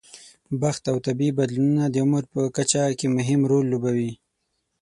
بخت او طبیعي بدلونونه د عمر په کچه کې مهم رول لوبوي.